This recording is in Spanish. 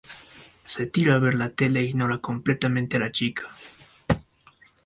Se tira a ver la tele e ignora completamente a la chica.